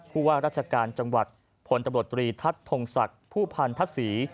ผู้ว่าราชการจังหวัดพลตำรวจตรีทัศน์ทงศักดิ์ผู้พันธศรี